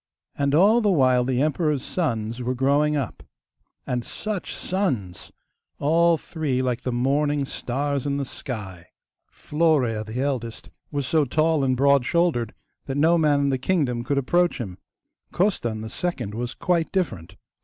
And all the while the emperor's sons were growing up. And such sons! All three like the morning stars in the sky! Florea, the eldest, was so tall and broad shouldered that no man in the kingdom could approach him. Costan, the second, was quite different.